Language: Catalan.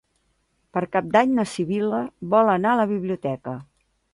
Per Cap d'Any na Sibil·la vol anar a la biblioteca.